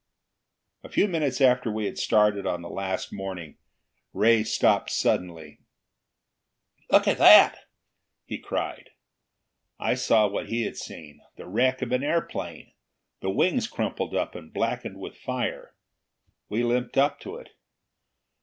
A few minutes after we had started on the last morning, Ray stopped suddenly. "Look at that!" he cried. I saw what he had seen the wreck of an airplane, the wings crumpled up and blackened with fire. We limped up to it.